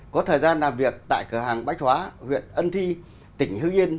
có thời gian làm việc tại cửa hàng bách hóa huyện ân thi tỉnh hưng yên